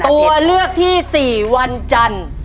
ตัวเลือกที่๔วันจันทร์